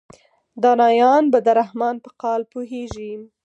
دانایان به د رحمان په قال پوهیږي.